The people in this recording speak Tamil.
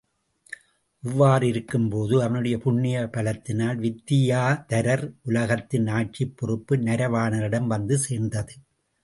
இவ்வாறிருக்கும்போது அவனுடைய புண்ணிய பலத்தினால் வித்தியாதரர் உலகத்தின் ஆட்சிப் பொறுப்பு நரவாணனிடம் வந்து சேர்ந்தது.